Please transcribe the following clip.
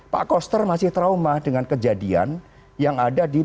pak koster masih trauma dengan kejadian yang ada di